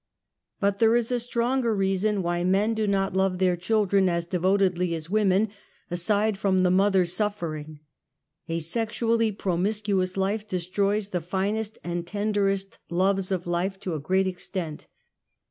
But there is a stronger reason why men do not love their child ren as devotedly as women aside from the mother sulfering. A sexually promiscuous life destroys the finest and tenderest loves of life to a great extent.